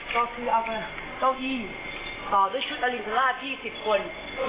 ก็คือเอามาเก้าอี้ต่อด้วยชุดอรินทราช๒๐คน